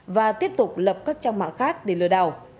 và tiếp tục lập các trang mạng khác để lừa đảo